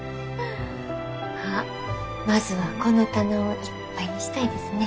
あまずはこの棚をいっぱいにしたいですね。